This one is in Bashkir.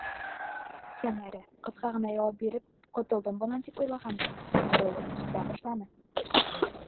- Сәмәрә, ҡыҫҡа ғына яуап биреп, ҡотолдом бынан тип уйлағандыр, боролоп китә башланы.